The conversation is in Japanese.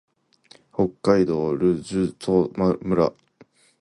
北海道留寿都村